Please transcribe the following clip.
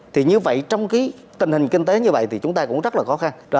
thì như vậy trong cái tình hình kinh tế như vậy thì chúng ta cũng rất là khó khăn